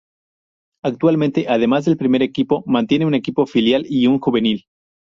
Actualmente, además del primer equipo, mantiene un equipo filial y un juvenil.